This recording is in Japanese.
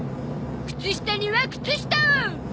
靴下には靴下を！